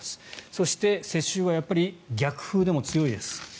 そして、世襲はやっぱり逆風でも強いです。